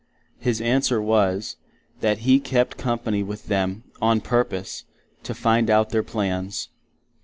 His answer was, that He kept Company with them on purpose to find out their plans.